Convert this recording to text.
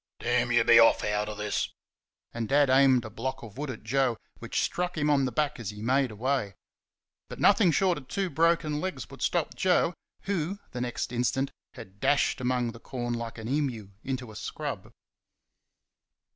"DAMN you, be off out of this!" And Dad aimed a block of wood at Joe which struck him on the back as he made away. But nothing short of two broken legs would stop Joe, who the next instant had dashed among the corn like an emu into a scrub.